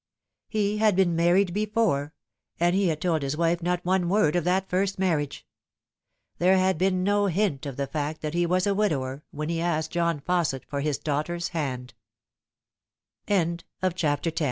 He had been married before, and he had told his wife not one word of that first marriage. There had been no hint of the fact that he was a widower when he asked John Fausset for his dau